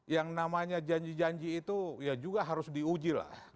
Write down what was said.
yang namanya janji janji itu ya juga harus diuji lah